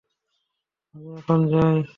আমি এখন যাই।